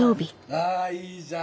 ああいいじゃん！